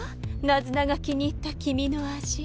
ナズナが気に入った君の味。